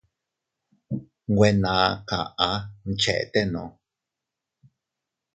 Nwe naa kaʼa mchetenuu.